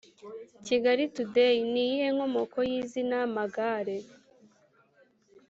Kigali Today: Ni iyihe nkomoko y’izina Magare?